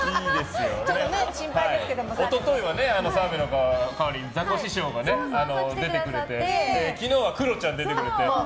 一昨日は澤部の代わりにザコシショウが来てくれて昨日はクロちゃん出てくれて。